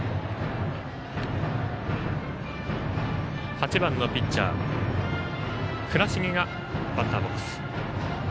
８番、ピッチャー倉重がバッターボックス。